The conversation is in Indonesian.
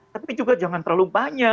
tapi juga jangan terlalu banyak